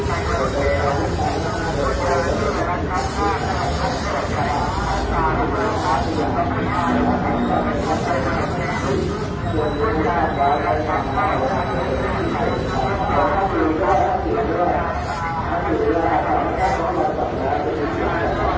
ออกไปอันชื่อในรัฐรู้สึกว่าทางจะได้ยินถึงแล้ว